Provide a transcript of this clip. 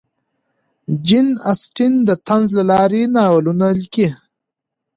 جین اسټن د طنز له لارې ناولونه لیکل.